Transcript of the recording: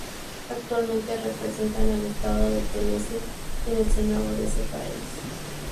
Actualmente representa al estado de Tennessee en el Senado de ese país.